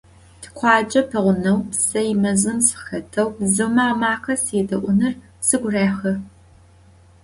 Тикъуаджэ пэгъунэгъу псэй мэзым сыхэтэу бзыумэ амакъэ седэӀуныр сыгу рехьы.